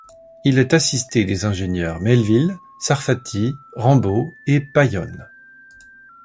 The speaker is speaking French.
Il est assisté des ingénieurs Melville, Sarfati, Rambaud et Payonne.